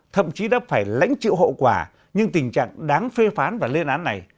thậm chí đã phải lãnh chịu hậu quả nhưng tình trạng đáng phê phán và lên án này